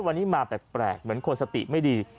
วันนี้มาแปลกเหมือนคนสติไม่ดี